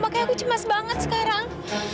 makanya aku cemas banget sekarang